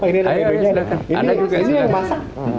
ini ada bibernya ini yang masak